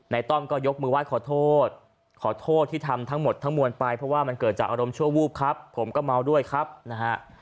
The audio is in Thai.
ต้อมก็ยกมือไหว้ขอโทษขอโทษที่ทำทั้งหมดทั้งมวลไปเพราะว่ามันเกิดจากอารมณ์ชั่ววูบครับผมก็เมาด้วยครับนะฮะ